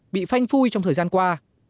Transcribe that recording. bị phanh phui trong thời gian qua